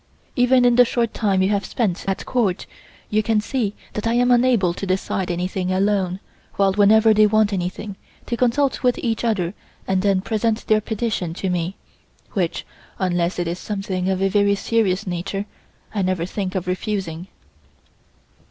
Even in the short time you have spent at Court, you can see that I am unable to decide anything alone, while whenever they want anything they consult with each other and then present their petition to me, which, unless it is something of a very serious nature, I never think of refusing."